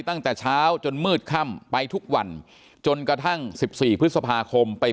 ตั้งแต่เช้าจนมืดค่ำไปทุกวันจนกระทั่ง๑๔พฤษภาคมไป